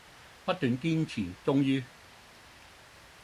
不斷堅持，終於